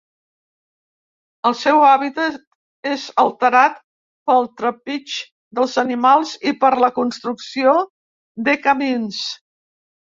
El seu hàbitat és alterat pel trepig dels animals i per la construcció de camins.